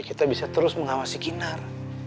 kita bisa terus mengawasi kinar